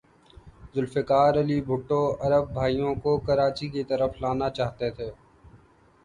ذوالفقار علی بھٹو عرب بھائیوں کو کراچی کی طرف لانا چاہتے تھے۔